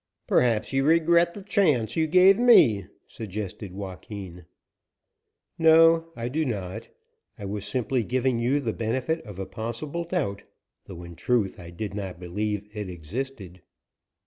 "Perhaps you regret the chance you gave me," suggested Joaquin. "No, I do not. I was simply giving you the benefit of a possible doubt, though, in truth, I did not believe it existed."